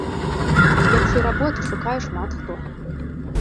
Лепшай работы шукае шмат хто.